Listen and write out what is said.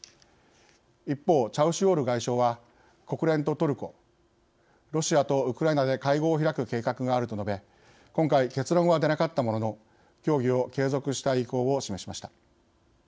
一方、チャウシュオール外相は「国連とトルコ、ロシアとウクライナで会合を開く計画がある」と述べ今回、結論は出なかったものの協議を継続したい意向を示しました。